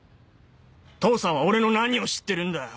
父さんは俺の何を知ってるんだよ。